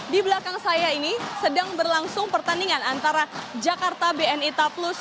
di belakang saya ini sedang berlangsung pertandingan antara jakarta bni taplus